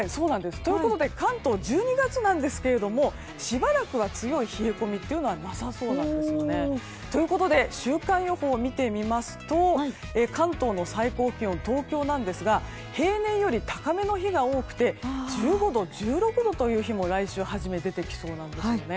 ということで関東は１２月なんですがしばらく強い冷え込みはなさそうなんですね。ということで週間予報を見てみますと関東の最高気温東京なんですが平年より高めの日が多く１５度、１６度という日も来週初め出てきそうなんです。